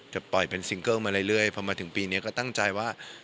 ปล่อยเป็นซิงเกิลมาเรื่อยพอมาถึงปีนี้ก็ตั้งใจว่า